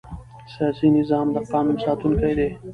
سیاسي نظام د قانون ساتونکی دی